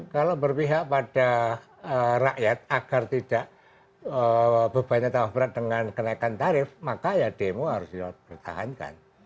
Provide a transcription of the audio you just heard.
kalau berpihak pada rakyat agar tidak bebannya terlalu berat dengan kenaikan tarif maka ya demo harus dipertahankan